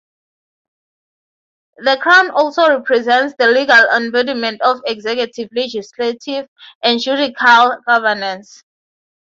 The Crown also represents the legal embodiment of executive, legislative, and judicial governance.